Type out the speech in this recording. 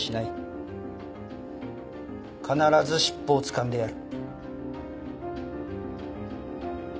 必ず尻尾をつかんでやる。